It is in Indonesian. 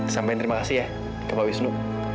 sampaikan terima kasih ya bapak wisnu